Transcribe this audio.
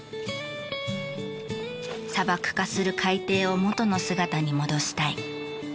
砂漠化する海底を元の姿に戻したい。